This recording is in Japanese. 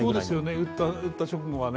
打った直後はね。